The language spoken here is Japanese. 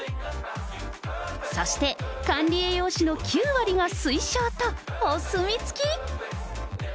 そして管理栄養士の９割が推奨と、お墨付き。